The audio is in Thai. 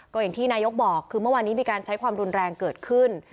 ก็อย่างที่นายกบอกคือเมื่อวานนี้มีการใช้ความรุนแรงเกิดขึ้น